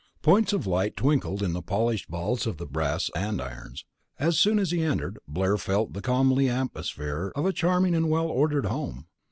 Points of light twinkled in the polished balls of the brass andirons. As soon as he entered, Blair felt the comely atmosphere of a charming and well ordered home.